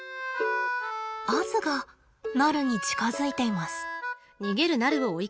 アズがナルに近づいています。